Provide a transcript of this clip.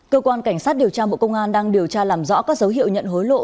cơ quan cảnh sát điều tra bộ công an đang điều tra làm rõ các dấu hiệu nhận hối lộ